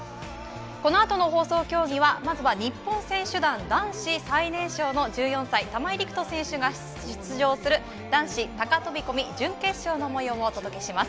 この後の放送競技は、まずは日本選手団、男子最年少の１４歳、玉井陸斗さんが出場する男子高飛込準決勝の模様をお届けします。